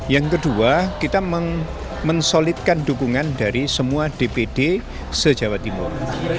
yang kedua kita mensolidkan dukungan dari semua dpd se jawa timur